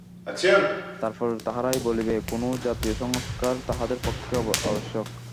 তারপর তাহারাই বলিবে, কোন জাতীয় সংস্কার তাহাদের পক্ষে আবশ্যক।